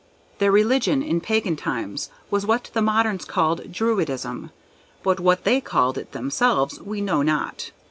Their religion, in Pagan times, was what the moderns call Druidism, but what they called it themselves we now know not.